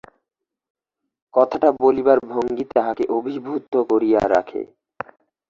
কথাটা বলিবার ভঙ্গি তাহাকে অভিভূত করিয়া রাখে।